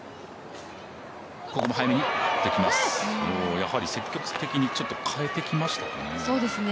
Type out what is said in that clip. やはり積極的に変えてきましたかね。